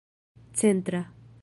centra